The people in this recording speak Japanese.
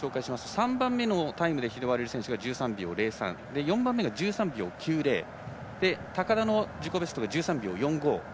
３番目のタイムで拾われる選手が１３秒０３４番目が１３秒９０高田の自己ベストが１３秒４５。